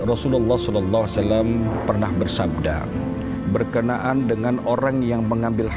rasulullah shallallahu alaihi wasallam pernah bersabda berkenaan dengan orang yang mengambil